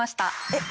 えっ？